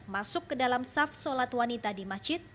masuk ke dalam saf sholat wanita di masjid